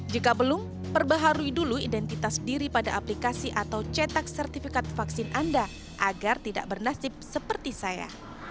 jika belum perbaharui dulu identitas diri pada aplikasi atau cetak sertifikat vaksin anda agar tidak bernasib seperti saya